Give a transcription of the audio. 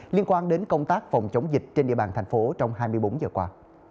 liên quan đến công tác phòng chống dịch trên địa bàn thành phố trong hai mươi bốn giờ qua